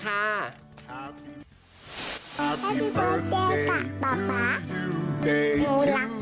ครับ